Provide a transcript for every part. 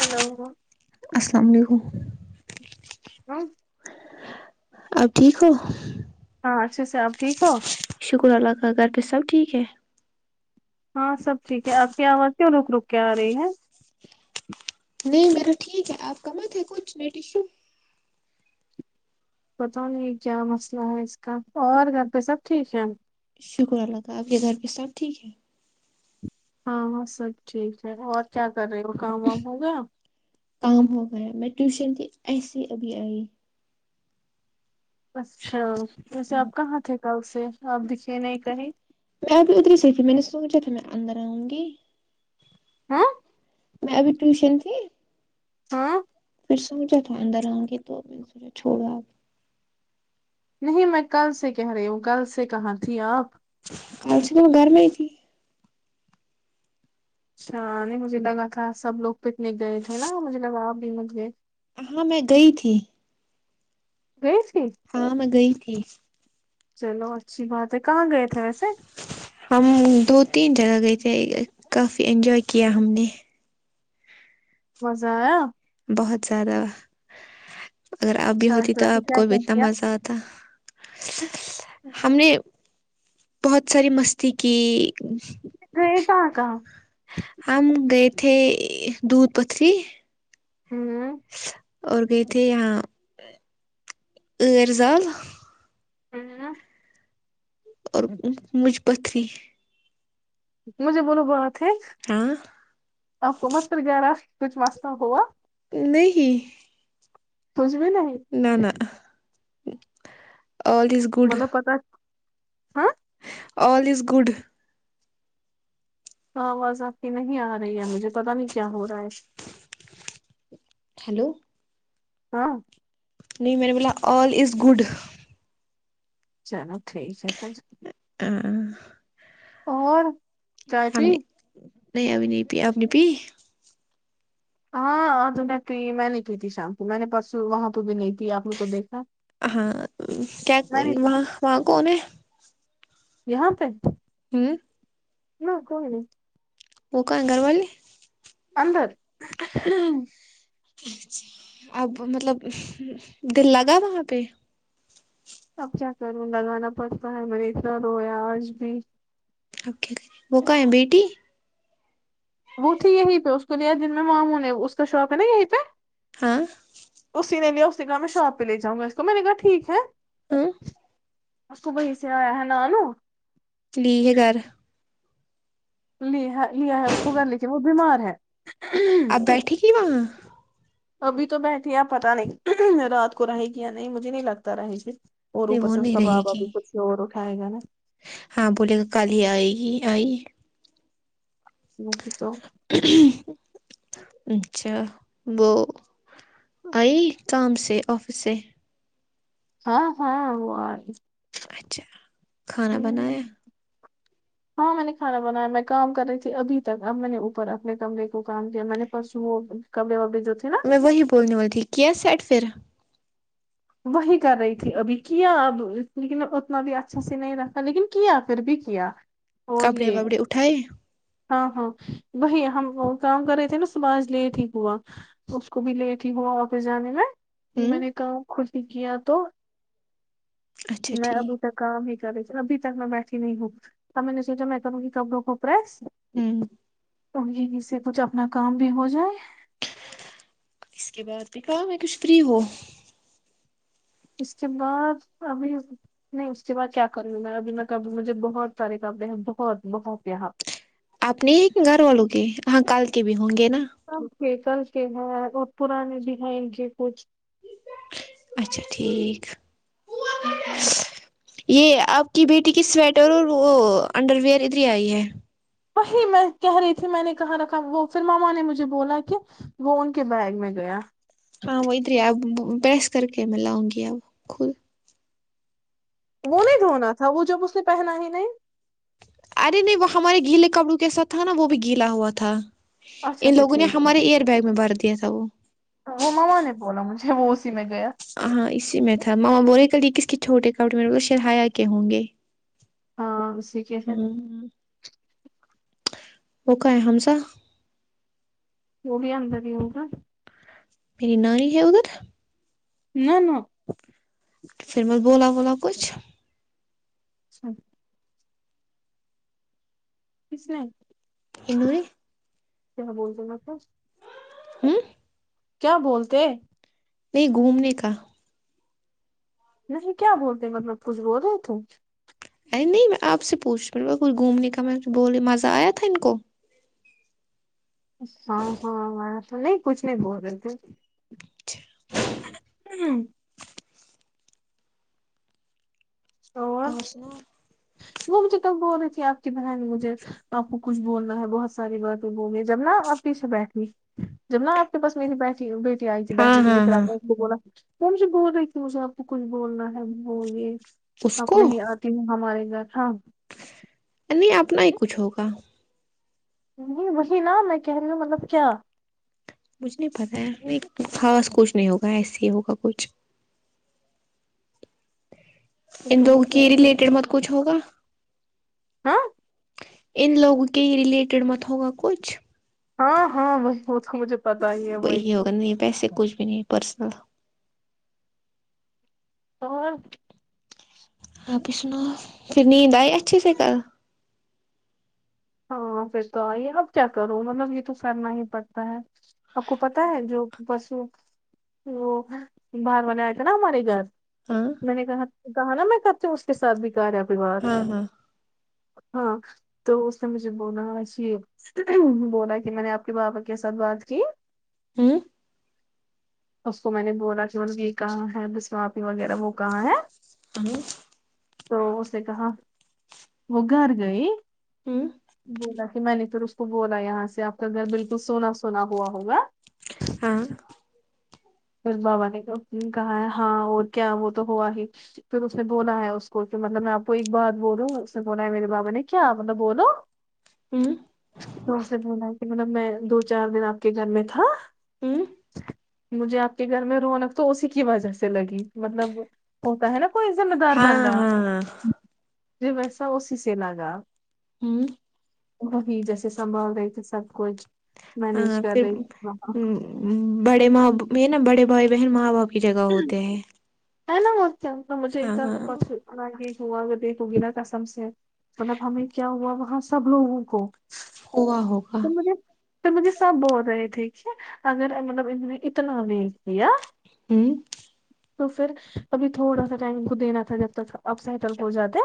Hello السلام علیکم ول اب ٹھیک ہو ہاں اچھے سے آپ ٹھیک ہو شکر اللہ کا گھر پہ سب ٹھیک ہے ہاں سب ٹھیک ہے آپ کی آوازیں رک رک کے آ رہی ہے نہیں میرا ٹھیک ہے آپ کا مت ہے کچھ نیٹشو پتا نہیں کیا مسئلہ ہے اس کا اور گھر پہ سب ٹھیک ہے شکر اللہ تعی آپ کے گھر کے ساتھ ٹھیک ہے ہاں ہاں سب ٹھیک ہے اور کیا کر رہے ہو کام وام ہوگا کام ہو گیا میں ٹیوشن تھی ایسے ہی ابھی آئی اچھا ویسے آپ کہاں تھے کل سے آپ دکھے نہیں کہیں میں تو ادھر ہی صی تھی میں نے سوچا تھا میں اندر آؤں گی ہاں میں ابھی ٹیوشن تھی ہاں پھر سوچا تھا اندر آؤ گے تو اس نے چھوڑا نہیں میں کل سے کہہ رہی ہوں کل سے کہاں تھی آپ میں ایکچولی گھر میں ہی تھی اچھا نہیں مجھے لگا تھا سب لوگ پکنک گئے تھے نا مجھے لگا آپ بھی مت گئے ہاں میں گئی تھی گیی تھی ہاں میں گئی تھی چلو اچھی بات ہے کہاں گئے تھے ویسے ہم دو تین جگہ گئے تھے کافی انجوائے کیا ہم نے مزہ آیا بہت زیادہ اگر آپ بھی اچھا ہوتی تو شروتی آپ کیا کو بھی کہہ اتنا دیا ہے مزہ آتا ہم نے بہت ساری مستی کی گیے کہا کہا ہم گئے تھے دودھ پتھری امم اور گئے تھے یہاں عرزال امم ہاں اور مجھ پتری مجھے بولو بات ہے ہاں آپ کو مسترگ گے رہا کچھ واسطہ ہوا نہیں کچھ بھی نہیں نہ نہ آل از گڈ مطلب پتہ ہے ہاں آل از گڈ تو آواز آپ کی نہیں آ رہی ہے مجھے پتہ نہیں کیا ہو رہا ہے ہیلو ہاں نہیں میں نے بولا آل از گڈ چلو ٹھیک ہے پھر آہا اون ہم نے نہیں ابھی نہیں پی آپ نے پی ہاں آج میں نے پی میں نہیں پی تھی شام کو میں نے پرسوں وہاں پہ بھی نہیں تھی آپ نے تو دیکھا ہاں کیسی میں نہیں پی وہاں وہاں کون ہے یہاں پہ امم نہ کوئی نہیں وہ کا گھر والے اندر اب مطلب دل لگا تھا وہاں پہ تب جاکر وہ لگانا پڑتا ہے میں نے اتنا رویا آج بھی اوکے وہ کا ہے بیٹی وہ تھی یہیں پہ اس کو لیا جن میں ماموں نے اس کا شاپ ہے نا یہیں پہ ہاں اسی نے لیا اس نے کہا میں شاپ پہ لے جاؤں گا اس کو میں نے کہا ٹھیک ہے ہوں اس کو وہی سے آیا ہے نالو لی ہے گھر لی ہے لیا ہے اس کو گھر لے کے وہ بیمار ہے آپ بیٹھے گی وہاں ابھی تو بیٹھی اب پتا نہیں رات کو رہے گی یا نہی نہیں مجھے نہیں لگتا رہے گی اور ارے اوپر وہ سے اس نہیں کا رہے بابا گی بھی کچھ شور اٹھائے گا نا ہاں بولے گا کل ہی آئے گی آئی وہی تو ہن ہں ہں اچھا وہ آئی کام سے آفس سے ہاں ہاں وہ آئی اچھا کھانا ہوں، بنایا ہاں میں نے کھانا بنایا میں کام کر رہی تھی ابھی تک اب میں نے اوپر اپنے کمرے کو کام دیا میں نے پرسوں وہ کپڑے وپڑے جو تھے نہ میں وہی بولنے والی تھی کیا سیٹ پھر وہی کر رہی تھی ابھی کیا اب لیکن اتنا بھی اچھا سے نہیں رکھا لیکن کیا پھر بھی کیا اور کپڑے یہ وپڑے اٹھائے ہاں ہاں وہی ہم کام کر رہے تھے نا صبح آج لیٹ ہی ہوا اس کو بھی لیٹ ہی ہوا آفس جانے میں ہوں میں نے کام خود ہی کیا تو اچھا میں ٹھیک اب کام ہی کر رہے تھی ابھی تک میں بیٹھی نہیں ہوں تب میں نے سوچا میں کروں گی کپڑوں کو پریس ہوں اور یہیں سے کچھ اپنا کام بھی ہو جائے اس کے بعد میں کہا میں کچھ فری ہو اس کے بعد ابھی نہیں اس کے بعد کیا کر رہی ہوں میں نے ابھی کہا مجھے بہت سارے کپڑے ہیں بہت بہت یہاں پہ اپنے ہی کہ گھر والوں کے ہاں کل کے بھی ہوں گے نا کل کے کل کے ہیں اور پرانے بھی ہیں ان کے کچھ اچھا ٹھیک یہ آپ کی بیٹی کی سویٹر اور وہ انڈر ویئر ادھر ہی آئی ہے وہی میں کہہ رہی تھی میں نے کہاں رکھا وہ پھر مما نے مجھے بولا کہ وہ ان کے بیگ میں گیا ہاں وہتری آب پریس کرکے ملاؤں گی خود وہ نہیں دھونا تھا وہ جب اس نے پہنا ہی نہیں ارے نہیں وہ ہمارے گیلے کپڑو کے ساتھ تھا نا وہ بھی گیلا ہوا تھا اچھا ان اچھا لوگوں نے ٹھیک ہمارے ایئر بیگ میں بھر دیا تھا وہ وہ مما نے بولا مجھے وہ اسی میں گیا ہاںاں اسی میں تھا ماما بولے کہ یہ کس کے چھوٹے کپڑے میں نے کہا شہایا کے ہوں گے ہاں اسی کے ہیں ہمم وہ کا ہے حمزہ وہ بھی اندر ہی ہوگا میری نانی ہے ادھر نہ نہ پھر میں بولا ولا کچھ اچھا کس نے انہ ہی [unintelligible] کیا بول دے نہ پھر ہوں کیا بولتے نہی گھومنے کا نہیں کیا بولتے مطلب کچھ بول رہے تھے ارے نہیں میں آپ سے پوچھ رہ کچھ گھومنے کا میں بولی مزہ آیا تھا ان کو ہاں ںاں اب آیا تھا نہیں کچھ نہیں بول رہے تھے ہوں تو اور وہ مجھے تب بول رہی تھی آپ کی بہن مجھے آپ کو کچھ بولنا ہے بہت ساری باتیں بولنی جب نا آپ پیچھے بیٹھنی جب نا پ بس میںی ہی بیٹھی بیٹی آئی تھی ہاں بیٹھنے کے لیے ہاں پھر ہاں ان کو بولا وہ مجے بول رہے کہ مجھے آپ کو کچھ بولنا ہے بولیے اس آپ کو نہی آتی ہوں ہمارے گھر ہاں نہیں اپنا ہی کچھ ہوگا نہیں وہی نا میں کہ رہی ہوں مطلب کیا مجھے نہیں پتہ ہے نہیں خاص کچھ نہیں ہوگا ایسے ہی ہوگا کچھ ان کہاں لوگوں سے کے مجھے ریلیٹڈ مت کچھ ہوگا ہاں ان لوگوں کے ہی ریلیٹڈ مت ہوگا کچھ ہاں ہاں وہی وہ تو مجھے پتا ہی ہے وہی ہوگا نہیں ویسے کچھ بھی نہیں پرسنل اور آپ ہی سناو پھر نیند آئی اچھے سے کل ہاں پھر تو آئیے اب کیا کروں مطلب یہ تو کرنا ہی پڑتا ہے آپ کو پتہ ہے جو پرسوں وہ باہر والے آئے تھے نا ہمارے گھر ہاں میں نے کہا کہا نا میں کرتی ہوں اس کے ساتھ بھی گھر آکے بات ہاں ہاں ہاں تو مجھے بولا اجی بولا کہ میں نے آپ کے بابا کے ساتھ بات کی ہوں اس کو میں نے بولا کہ مل یہ کہاں ہے بس آپی وغیرہ وہ کہاں ہے تو اس نے کہا وہ گھر گئی ہوں بولا کہ میں نے تو اس وہ بولا یہاں سے آپ کا گھر بلکل سونا سونا ہوا ہوگا ہاں بس بابا نے ک ہوں کہا ہے ہاں اور کیا وہ تو ہوا ہی پھر اس نے بولا ہے اس کو پھر مطلب میں آپ کو ایک بات بولوں اس نے بولا ہے میرے بابا نے کیا مطلب بولو ہوں تو اسنے بولا کہ مطلب میں دو چار دن آپ کے گھر میں تھا ہوں مجھے آپ کے گھر میں رونق تو اسی کی وجہ سے لگی مطلب ہوتا ہے نا کوئی ذمہ دار ہاں بندہ ہاں مجھے ویسا اسی سے لگا ہوں وہی جیسے سنبھال رہی تھی سب کچھ مینج ہاں کر پھر رہی وہاں بڑے ماں نا بڑے بھائی بہن ماں باپ کی جگہ ہوتے ہیں ہینا [unintelligible] ہاں ہاں دیکھ ہوا میں دیکھوں گی نا قسم سے مطلب ہمیں کیا ہوا وہاں سب لوگوں کو ہوا ہو تم مجھے پھر مجھے سب بول رہے تھے کے اگر مطلب انہوں نے اتنا نیک دیا ہوں تو پھر ابھی تھوڑا سا ٹائم ان کو دینا تھا جب تک اب سیٹل ہو جاتے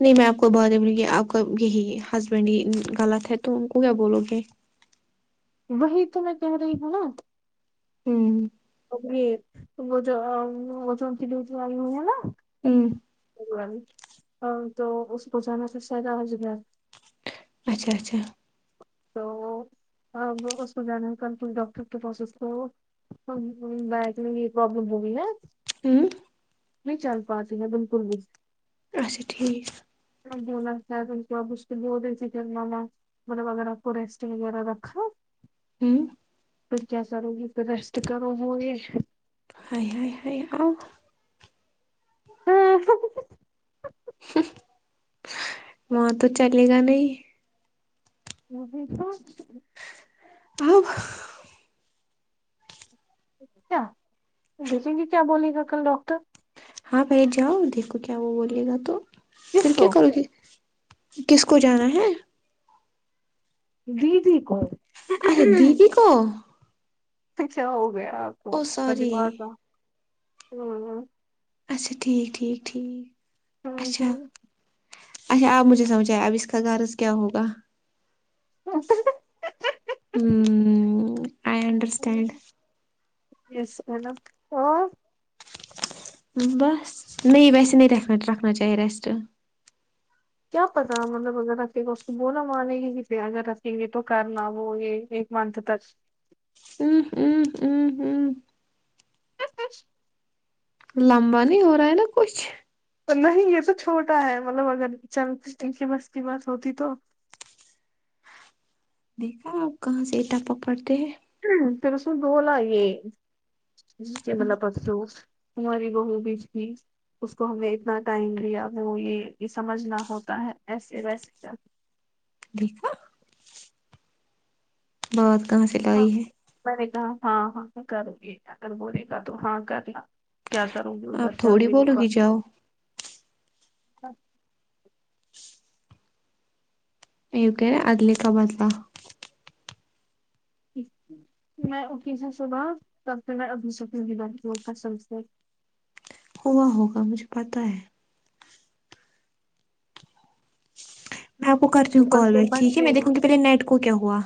نہیں میں آپ کو بارے گی آپ کا یہی ہسبینڈ ہی غلط ہے تو ان کو کیا بولو گے وہی تو میں کہہ رہی ہوں نا ہوں ج وہ جو وہ جو انکی بیٹی آئ ہوئی ہے نا ہوں دیوانی ہ تو اس کو جانا پھر شاید آج گھر اچھا اچھا تو ا اس کو جانے کل کچھ ڈاکٹر کے پاس اسکو ہ ہ بیک میں یہ پرابلم ہو گی ہے ہوں نہیں چل پاتی ہے بالکل بھی اچھا ٹھیک [unintelligible] مطلب اگر آپ کو ریسٹگ وغیرہ رکھا ہ پھر کیا کرو گی تو ریسٹ کرو گی یہ ہائے ہائے ہائے آ وہاں تو چلے گا نہیں وہ دیکھو اہاں کیا دکھیںگے کیا بولے گا کل ڈاکٹر ہاں بھائی جاؤ دیکھو کیا وہ بولے گا تو پھر کس کیا کو کرو گی کس کو جانا ہے دیدی کو اے دیدی کو اچھا ہو گیا آپ کو او اس کا سوری دماغ نا ہ ہ اچھا ٹھیک ٹھیک ٹھیک ہوں، اچھا ہوں۔ اچھا آپ مجھے سمجھائے اب اس کا غرض کیا ہوگا [unintelligible] ہوں آئی انڈرسٹینڈ یس ہیلو اور ام بس نہیں ویسے نہیں رکھنا چاہیے ریسٹ کیا پتا مطلب اگر رکھے گا اس کو بولا مانے گی کسیے اگر رکھیں گے تو کرنا وہ یہ منتھ تک ہوں ہوں ہوں ہوں آ ہا لمبا نہیں ہو رہا ہے نا کچھ پر نہیں یہ تو چھوٹا ہے مطلب اگر چر کنگ کی بس کی بات ہوتی تو دیکھا آپ کہاں سے اٹا پکڑتے ہیں ہمم پھر [unintelligible] بسن بلا یہ کہ ملا پس لو ہماری بہو بیج دی اس کو ہمیں اتنا ٹائم لیا ہم وہ یہ سمجھنا ہوتا ہے ایسے ویسے دیکھا بات کہاں سے لائی ہے میں نے کہا ہاں ہاں کر لی اگر بولے گا تو ہاں کرنا کیا کروں گی ادھر آپ چل تھوڑی گی بولو جاؤ [unintelligible] [unintelligible] ا کہے آگلی کا بادلہ میں اٹھی تھی صبح [unintelligible] ڈاکٹر ابو شک بات سمجتے ہوا ہوگا مجھے پتا ہے میں آپ کو کرتی ہوں اوپر کال سے بیک ٹھیک ہے میں بچے گا دیکھوں گی کہ پہلے نیٹ کو کیا ہوا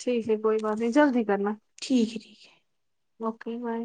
ٹھیک ہے کوئی بات نہیں جلدی کرنا ٹھیک ہے ٹھیک ہے اوکے بائے